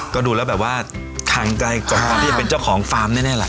ก็ดูแล้วแบบว่าห่างไกลกว่าการที่จะเป็นเจ้าของฟาร์มแน่ล่ะ